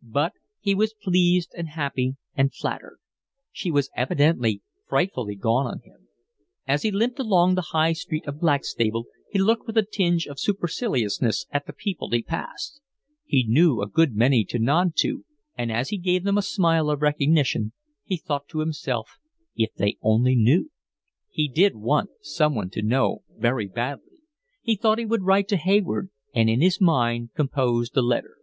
But he was pleased and happy and flattered. She was evidently frightfully gone on him. As he limped along the high street of Blackstable he looked with a tinge of superciliousness at the people he passed. He knew a good many to nod to, and as he gave them a smile of recognition he thought to himself, if they only knew! He did want someone to know very badly. He thought he would write to Hayward, and in his mind composed the letter.